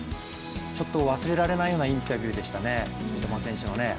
ちょっと忘れられないようなインタビューでしたね、三笘選手のね。